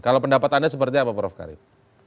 kalau pendapatannya seperti apa prof karim